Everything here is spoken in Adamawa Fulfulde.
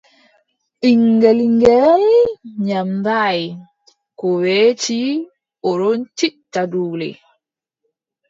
Ɓiŋngel ngeel nyamɗaay, ko weeti o ɗon tijja duule.